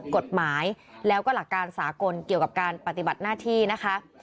กฎหมายแล้วก็หลักการสากลเกี่ยวกับการปฏิบัติหน้าที่นะคะ